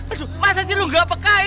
aduh masa sih lo nggak pekai